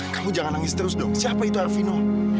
kamu jangan nangis terus dong siapa itu arvino